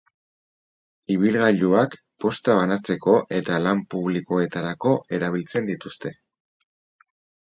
Ibilgailuak posta banatzeko eta lan publikoetarako erabiltzen dituzte.